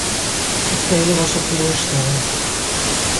Voor velen was het teleurstellend.